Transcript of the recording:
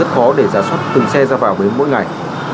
rất khó để giá soát từng xe ra vào mỗi ngày